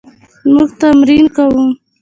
موږ تمرین کوو